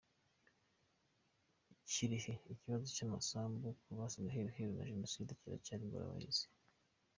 Kirehe Ikibazo cy’amasambu ku basizwe iheruheru na Jenoside kiracyari ingorabahizi